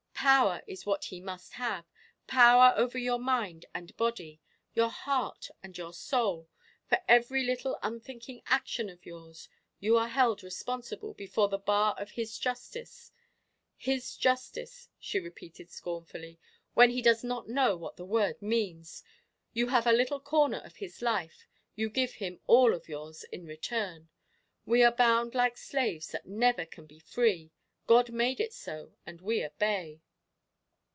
Power is what he must have power over your mind and body, your heart and your soul for every little unthinking action of yours, you are held responsible before the bar of his justice. His justice," she repeated, scornfully, "when he does not know what the word means. You have a little corner of his life; you give him all of yours in return. We are bound like slaves that never can be free God made it so and we obey!"